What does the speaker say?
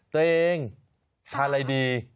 ตัวเองทานอะไรดี